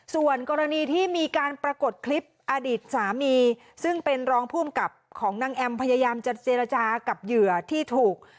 ส่วนกรณีที่มีการปรากฏคลิปอดีตสามีซึ่งเป็นรองภูมิกับของนางแอมพยายามจะเจรจากับเหยื่อที่ถูก